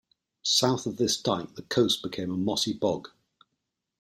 South of this dike, the coast became a mossy bog.